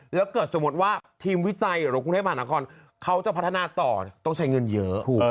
แล้วเกิดสมมติว่าทีมวิจัยหรือกรุงเทพมหานครเขาจะพัฒนาต่อต้องใช้เงินเยอะ